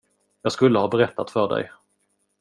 Jag skulle ha berättat för dig.